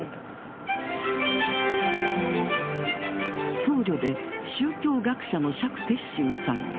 僧侶で宗教学者の釈徹宗さん。